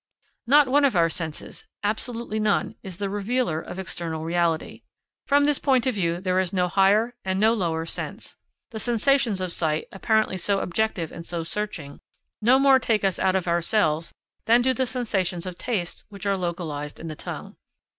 Not one of our senses, absolutely none, is the revealer of external reality. From this point of view there is no higher and no lower sense. The sensations of sight, apparently so objective and so searching, no more take us out of ourselves than do the sensations of taste which are localised in the tongue.